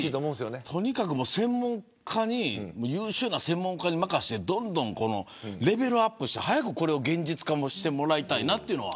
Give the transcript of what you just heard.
とにかく優秀な専門家に任せてどんどんレベルアップして早く現実化してもらいたいなというのは。